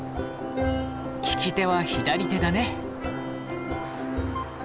利き手は左手だね。